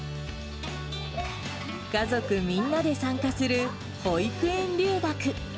家族みんなで参加する保育園留学。